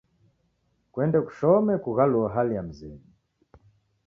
Kuende kushome kughaluo hali ya mzenyu.